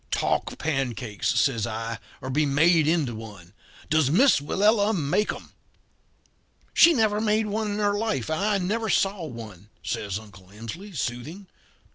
"'Talk pancakes,' says I, 'or be made into one. Does Miss Willella make 'em?' "'She never made one in her life and I never saw one,' says Uncle Emsley, soothing.